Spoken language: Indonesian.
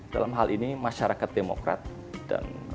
dalam hal ini masyarakat demokrat dan publik tersebut